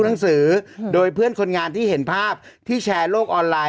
หนังสือโดยเพื่อนคนงานที่เห็นภาพที่แชร์โลกออนไลน